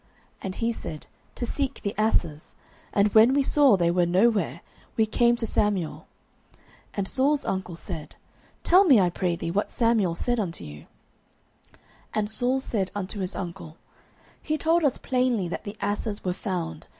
And he said, To seek the asses: and when we saw that they were no where, we came to Samuel. 09:010:015 And Saul's uncle said, Tell me, I pray thee, what Samuel said unto you. 09:010:016 And Saul said unto his uncle, He told us plainly that the asses were found.